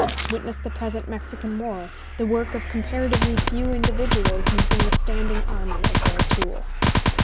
Witness the present Mexican War, the work of comparatively few incfividuals using the standing army as their tool."